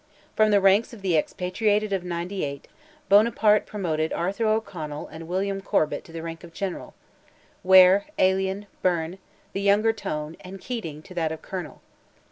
From the ranks of the expatriated of '98, Buonaparte promoted Arthur O'Conor and William Corbet to the rank of General; Ware, Allen, Byrne, the younger Tone, and Keating, to that of Colonel.